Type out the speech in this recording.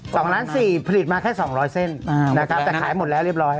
อ่า๒๔นาทีผลิตมาแค่๒๐๐เส้นอ่านะครับแต่ขายหมดแล้วเรียบร้อย